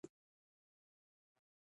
دوی ګوډه ما ته روسي ویله.